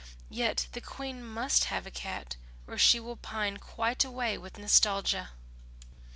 Yet the Queen must have a cat or she will pine quite away with nostalgia."